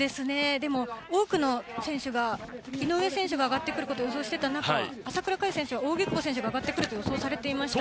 多くの選手が、井上選手が上がってくることを予想していた中、朝倉海選手は扇久保選手が上がってくると予想されていました。